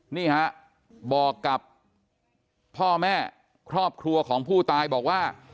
นี่ฮะบอกกับพ่อแม่ครอบครัวของผู้ตายบอกว่า